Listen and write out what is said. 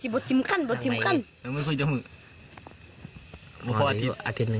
ยังไม่ค่อยอาทิตย์นึง